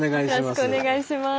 よろしくお願いします。